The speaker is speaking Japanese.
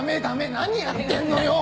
何やってんのよ